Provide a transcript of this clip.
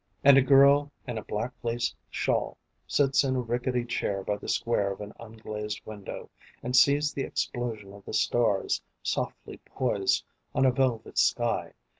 And a girl in a black lace shawl Sits in a rickety chair by the square of an unglazed window, And sees the explosion of the stars Softly poised on a velvet sky.